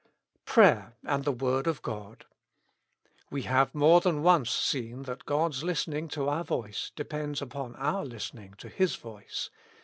Prayer and thk Word of God. "We have more than once seen that God's listening to our voice depends upon our listening to His voice.